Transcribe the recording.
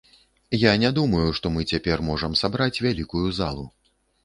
Я не думаю, што мы цяпер можам сабраць вялікую залу.